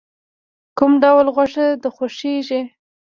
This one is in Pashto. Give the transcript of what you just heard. کوم ډول غوښه د خوښیږی؟